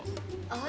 orang yang baik